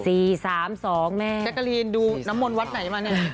สี่สามสองแม่แกกะลีนดูน้ำมนวัดไหนมาเนี้ย